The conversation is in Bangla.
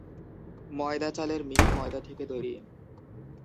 ময়দা চালের মিহি ময়দা থেকে তৈরি।